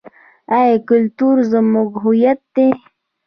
آیا کلتور زموږ هویت دی؟